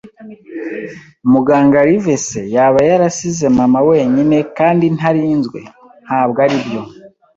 Muganga Livesey yaba yarasize mama wenyine kandi ntarinzwe, ntabwo aribyo